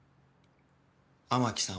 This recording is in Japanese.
雨樹さん